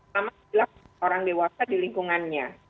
namun tidak orang dewasa di lingkungannya